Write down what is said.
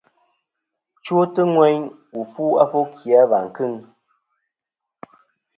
Chwotɨ ŋweyn wù fu afo ki a và kɨŋ.